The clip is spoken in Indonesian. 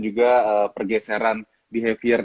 juga pergeseran behavior